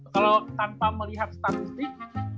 kalau tanpa melihat statistik